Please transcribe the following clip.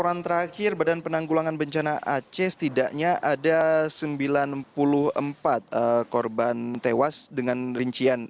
laporan terakhir badan penanggulangan bencana aceh setidaknya ada sembilan puluh empat korban tewas dengan rincian